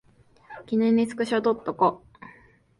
記念にスクショ撮っとこ